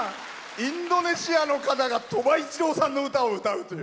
インドネシアの方が鳥羽一郎さんの歌を歌うという。